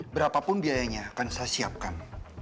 berapa pun biayanya akan saya siapkan